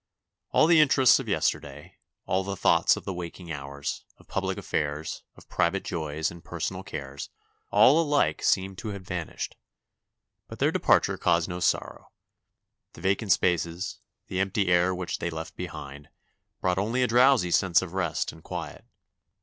All the interests of yesterday, all the thoughts of the waking hours, of pubhc affairs, of pri vate joys and personal cares — all alike seemed to have vanished. But then departure caused no sor row. The vacant spaces, the empty air which they left behind, brought only a drowsy sense of rest and quiet.